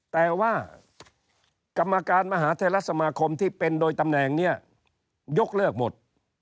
แต่ว่ากรรมการมหาเทลสมาคมที่เป็นโดยตำแหน่งเนี่ยยกเลิกหมด